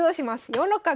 ４六角。